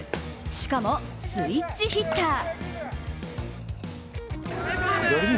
しかもスイッチヒッター。